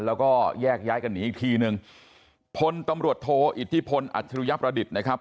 แล้วก็แยกย้ายกันหนีอีกทีนึงพลตำรวจโทอิทธิพลอัจฉริยประดิษฐ์นะครับ